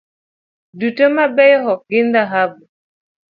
Duto mabeyo ok gin dhahabu.